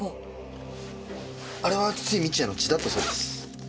あれは筒井道也の血だったそうです。